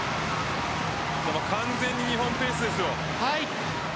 完全に日本ペースですよ。